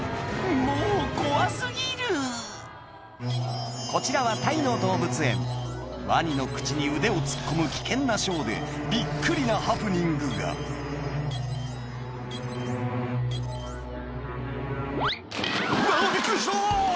もう怖過ぎるこちらはタイの動物園ワニの口に腕を突っ込む危険なショーでびっくりなハプニングが「うわびっくりした！」